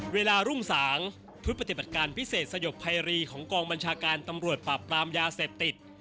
รุ่งสางชุดปฏิบัติการพิเศษสยบภัยรีของกองบัญชาการตำรวจปราบปรามยาเสพติด